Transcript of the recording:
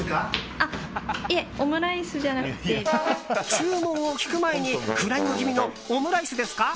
注文を聞く前にフライング気味のオムライスですか？